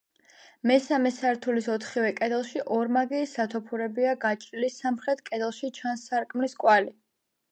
მესამე სართულის ოთხივე კედელში ორმაგი სათოფურებია გაჭრილი სამხრეთ კედელში ჩანს სარკმლის კვალი.